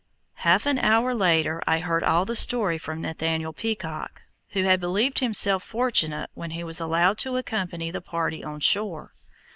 Half an hour later I heard all the story from Nathaniel Peacock, who had believed himself fortunate when he was allowed to accompany the party on shore.